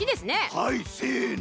はいせの。